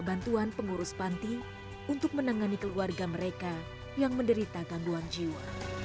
bantuan pengurus panti untuk menangani keluarga mereka yang menderita gangguan jiwa